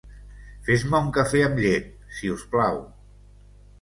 Fes-me un cafè amb llet, si us plau.